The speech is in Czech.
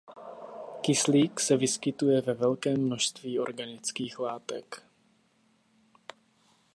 Kyslík se vyskytuje ve velkém množství organických látek.